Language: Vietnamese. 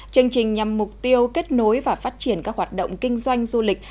chương trình nhằm mục tiêu kết nối và phát triển các hoạt động kinh doanh du lịch